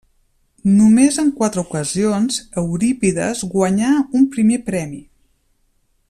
Només en quatre ocasions Eurípides guanyà un primer premi.